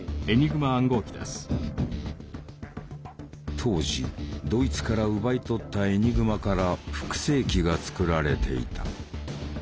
当時ドイツから奪い取ったエニグマから複製機が作られていた。